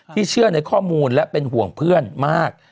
เชื่อในข้อมูลและเป็นห่วงเพื่อนมาก